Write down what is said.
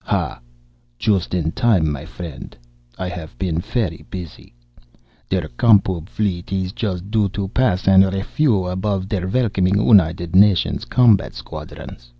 "Ha! Just in time, my friend! I haff been fery busy. Der Com Pub fleet is just due to pass in refiew abofe der welcoming United Nations combat squadrons.